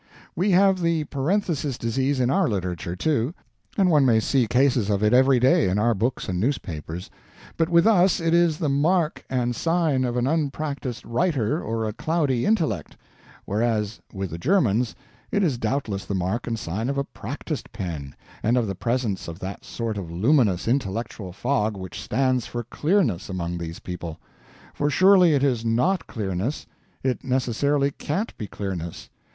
We have the Parenthesis disease in our literature, too; and one may see cases of it every day in our books and newspapers: but with us it is the mark and sign of an unpracticed writer or a cloudy intellect, whereas with the Germans it is doubtless the mark and sign of a practiced pen and of the presence of that sort of luminous intellectual fog which stands for clearness among these people. For surely it is NOT clearness it necessarily can't be clearness.